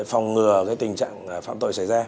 phòng ngừa tình trạng phạm tội xảy ra